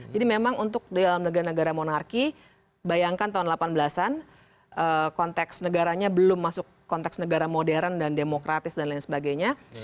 jadi memang untuk dalam negara negara monarki bayangkan tahun delapan belas an konteks negaranya belum masuk konteks negara modern dan demokratis dan lain sebagainya